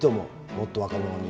もっと若者に。